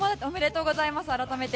おめでとうございます。